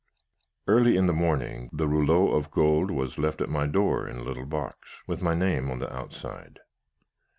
"Early in the morning, the rouleau of gold was left at my door in a little box, with my name on the outside.